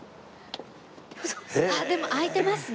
でも開いてますね。